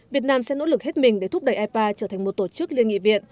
việt nam sẽ nỗ lực hết mình để thúc đẩy ipa trở thành một tổ chức liên nghị viện